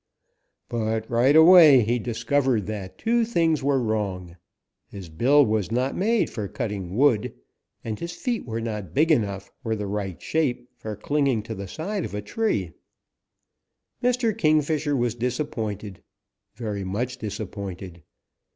But right away he discovered that two things were wrong; his bill was not made for cutting wood, and his feet were not big enough or the right shape for clinging to the side of a tree. Mr. Kingfisher was disappointed, very much disappointed.